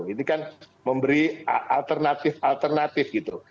ini kan memberi alternatif alternatif gitu